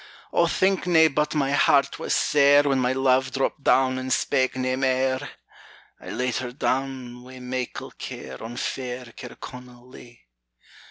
O think na but my heart was sair When my Love dropt down and spak nae mair! I laid her down wi' meikle care On fair Kirconnell lea.